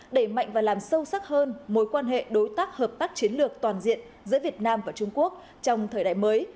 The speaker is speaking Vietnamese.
đẩy mạnh và làm sâu sắc hơn mối quan hệ đối tác hợp tác chiến lược toàn diện giữa việt nam và trung quốc trong thời đại mới